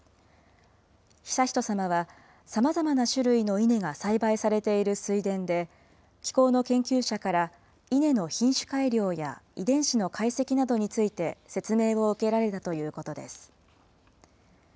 悠仁さまは、さまざまな種類の稲が栽培されている水田で、機構の研究者から、稲の品種改良や、遺伝子の解析などについて、説明を受けられたということです。